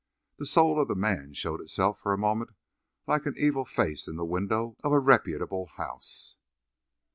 The soul of the man showed itself for a moment like an evil face in the window of a reputable house.